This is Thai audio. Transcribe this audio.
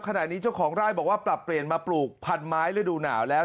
ขณะนี้เจ้าของไร่บอกว่าปรับเปลี่ยนมาปลูกพันไม้ฤดูหนาวแล้ว